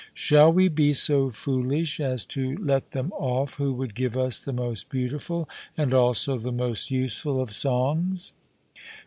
Shall we be so foolish as to let them off who would give us the most beautiful and also the most useful of songs?